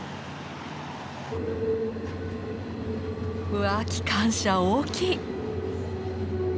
うわ機関車大きい！